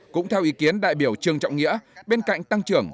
cũng theo ý kiến đại biểu trường trọng nghĩa bên cạnh tăng trưởng